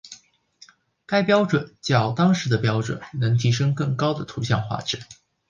该标准较当时的标准能提升更高的图像画质。